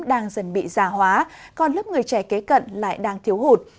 đang dần bị già hóa còn lớp người trẻ kế cận lại đang thiếu hụt